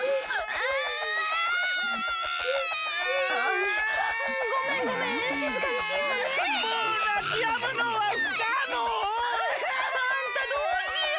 あんたどうしよう！